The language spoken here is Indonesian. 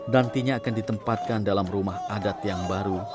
nantinya akan ditempatkan dalam rumah adat yang baru